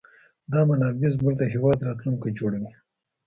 دا منابع زموږ د هېواد راتلونکی جوړوي.